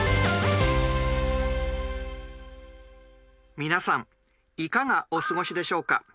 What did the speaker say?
皆さんいかがお過ごしでしょうか？